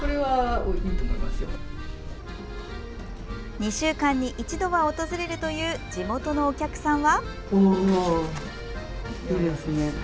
２週間に１度は訪れるという地元のお客さんは。